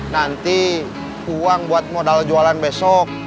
nanti uang buat modal jualan besok